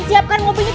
siapkan mobilnya cepat